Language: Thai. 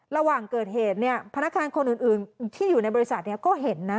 ระหว่างเกิดเหตุเนี่ยพนักงานคนอื่นที่อยู่ในบริษัทก็เห็นนะ